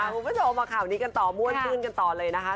คุณผู้ชมมาข่าวนี้กันต่อม่วนขึ้นกันต่อเลยนะคะ